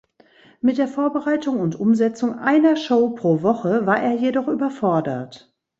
Mit der Vorbereitung und Umsetzung einer Show pro Woche war er jedoch überfordert.